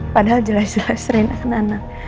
padahal jelas jelas reina kena anak